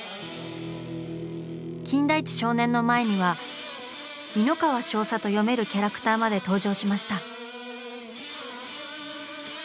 金田一少年の前には「いのかわしょうさ」と読めるキャラクターまで登場しました。